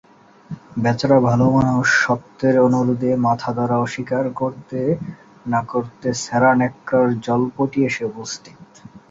বেচারা ভালোমানুষ, সত্যের অনুরোধে মাথাধরা অস্বীকার করতে না-করতে ছেঁড়া ন্যাকড়ার জলপটি এসে উপস্থিত।